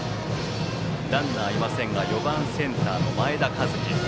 ランナーはいませんが打席は４番、センター前田一輝。